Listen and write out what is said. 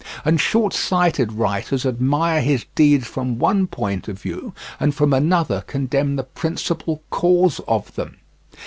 And short sighted writers admire his deeds from one point of view and from another condemn the principal cause of them.